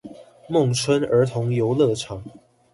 孟春兒童遊樂場